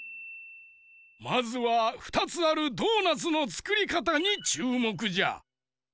まずは２つあるドーナツのつくりかたにちゅうもくじゃ。